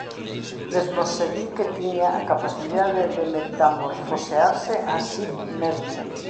Mesmo se di que tiña a capacidade de metamorfosearse a si mesmo.